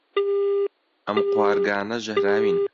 ئەم قوارگانە ژەهراوین.